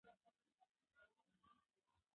سپین موټر د تېلو د نشتوالي له امله ودرېد.